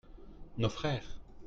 nos frères.